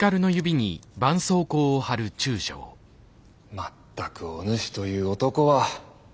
まったくおぬしという男は。